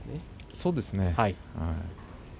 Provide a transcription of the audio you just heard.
そうですね。